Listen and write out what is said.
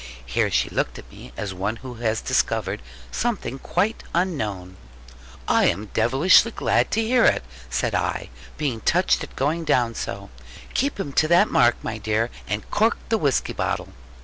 Here she looked at me, as one who has discovered something quite unknown. 'I am devilish glad to hear it,' said I, being touched at going down so: 'keep him to that mark, my dear; and cork the whisky bottle.'